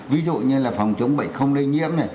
ví dụ như là phòng chống bệnh không lây nhiễm này